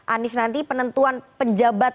anies nanti penentuan penjabat